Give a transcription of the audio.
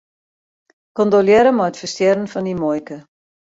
Kondolearre mei it ferstjerren fan dyn muoike.